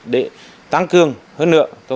để tăng cường hơn nữa